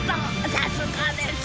さすがです